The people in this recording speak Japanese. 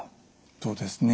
そうですね。